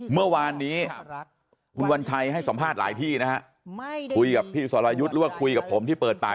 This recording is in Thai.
เมื่อวานนี้คุณวัญชัยให้สัมภาษณ์หลายที่นะฮะคุยกับพี่สรยุทธ์หรือว่าคุยกับผมที่เปิดปาก